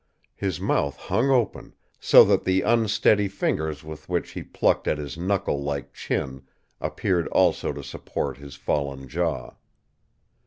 His mouth hung open, so that the unsteady fingers with which he plucked at his knuckle like chin appeared also to support his fallen jaw.